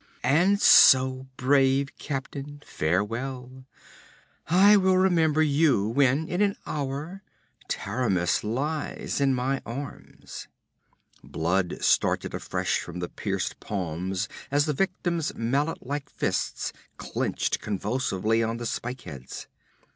'And so, brave captain, farewell! I will remember you when, in an hour, Taramis lies in my arms.' Blood started afresh from the pierced palms as the victim's mallet like fists clenched convulsively on the spike heads.